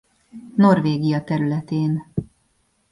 Norvégia területén.